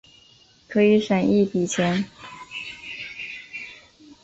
可以省一笔钱